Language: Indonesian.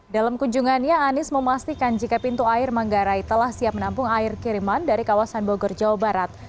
dalam kunjungannya anies memastikan jika pintu air manggarai telah siap menampung air kiriman dari kawasan bogor jawa barat